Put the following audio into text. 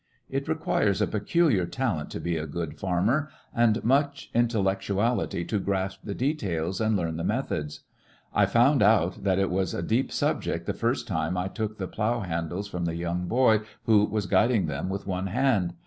It requires a peculiar talent to be a good farmer, and much intellectuality to grasp the details and learn the methods. I found out that it was a deep subject the first time I took the plough handles from the young boy who was guiding them with one hand.